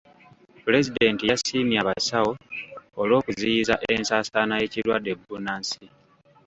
Pulezidenti yasiimye abasawo olw'okuziyiza ensaasaana y'ekirwadde bbunansi.